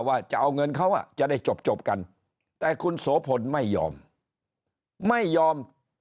ว่าจะเอาเงินเขาจะได้จบกันแต่คุณโสพลไม่ยอมไม่ยอม